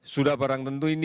sudah barang tentu ini